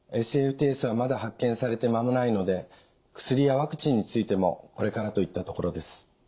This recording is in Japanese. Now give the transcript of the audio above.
ＳＦＴＳはまだ発見されて間もないので薬やワクチンについてもこれからといったところです。